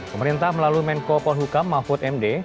pemerintah melalui menko polhukam mahfud md